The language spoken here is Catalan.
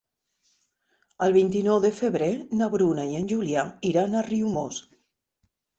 El vint-i-nou de febrer na Bruna i en Julià iran a Riumors.